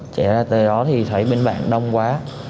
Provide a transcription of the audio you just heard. chạy ra tới đó thì thấy bên bạn đông quá